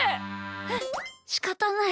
はっしかたない。